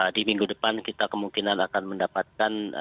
di minggu depan kita kemungkinan akan mendapatkan